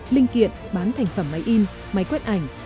linh kiện bán thành phẩm máy in máy quét ảnh